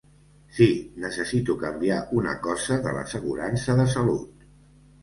Sí, necessito canviar una cosa de l'assegurança de salut.